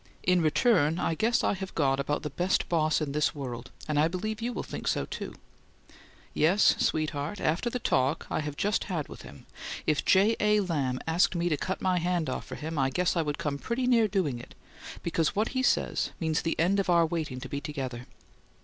In return I guess I have got about the best boss in this world and I believe you will think so too. Yes, sweetheart, after the talk I have just had with him if J. A. Lamb asked me to cut my hand off for him I guess I would come pretty near doing it because what he says means the end of our waiting to be together.